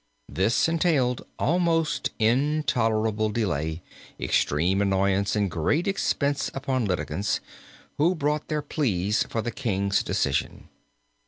This entailed almost intolerable delay, extreme annoyance and great expense upon litigants, who brought their pleas for the king's decision.